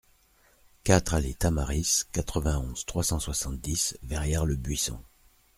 quatre allée Tamaris, quatre-vingt-onze, trois cent soixante-dix, Verrières-le-Buisson